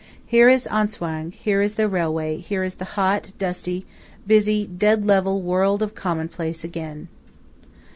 Here is Atzwang; here is the railway; here is the hot, dusty, busy, dead level World of Commonplace again!